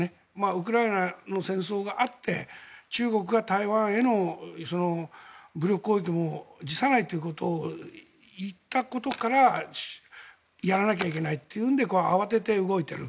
ウクライナの戦争があって中国が台湾への武力攻撃も辞さないということを言ったことからやらなきゃいけないというので慌てて動いている。